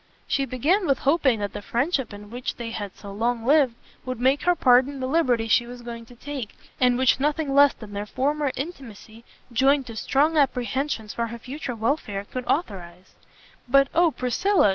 She began with hoping that the friendship in which they had so long lived would make her pardon the liberty she was going to take, and which nothing less than their former intimacy, joined to strong apprehensions for her future welfare, could authorise; "But oh Priscilla!"